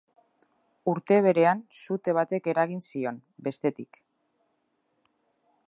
Urte berean sute batek eragin zion, bestetik.